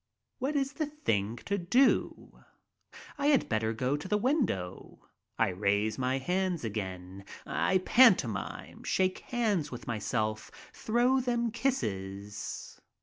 What is the thing to do? I had better go to the window. I raise my hands again. I pantomime, shake hands with myself, throw them kisses.